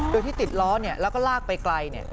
โดยที่ติดรอเนี่ยแล้วก็ลากไปไกลเนี่ย